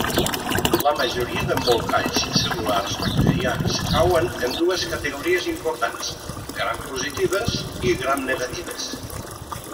La majoria d'embolcalls cel·lulars bacterians cauen en dues categories importants: grampositives i gramnegatives.